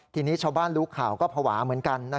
ทีนี้ชาวบ้านรู้ข่าวก็ภาวะเหมือนกัน